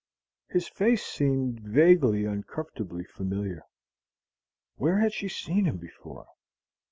His face seemed vaguely, uncomfortably familiar. Where had she seen him before?